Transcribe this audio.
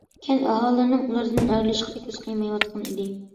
كەنت ئاھالىلىرىنىڭ ئۇلاردىن ئايرىلىشقا كۆز قىيمايۋاتقان ئىدى.